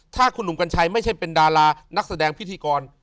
ถ้าคุณหนุ่มกัญชัยไม่ใช่เป็นดารานักแสดงพิธีกร